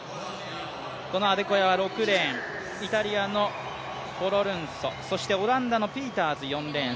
このアデコヤは６レーン、イタリアのフォロルンソ、そしてオランダのピーターズ、４レーン。